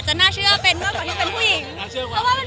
จะน่าเชื่อเป็นมากกว่าที่เป็นผู้หญิง